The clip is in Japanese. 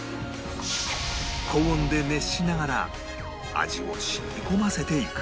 高温で熱しながら味を染み込ませていく